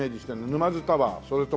沼津タワーそれとも。